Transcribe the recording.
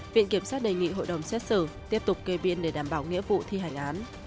viện kiểm sát đề nghị hội đồng xét xử tiếp tục kê biên để đảm bảo nghĩa vụ thi hành án